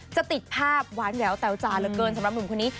จะติดภาพหวานแหววแต๋วจานเหลือเกินสำหรับหนุ่มคนนี้